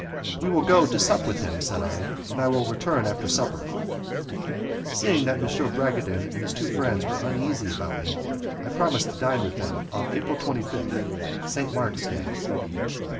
"We will go to sup with him," said I, "and I will return after supper." Seeing that M. de Bragadin and his two friends were uneasy about me, I promised to dine with them on April 25th, St. Mark's Day.